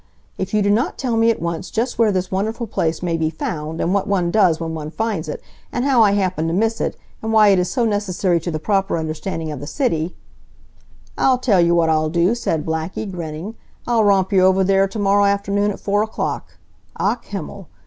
If you do not tell me at once just where this wonderful place may be found, and what one does when one finds it, and how I happened to miss it, and why it is so necessary to the proper understanding of the city " "I'll tell you what I'll do," said Blackie, grinning, "I'll romp you over there to morrow afternoon at four o'clock. Ach Himmel!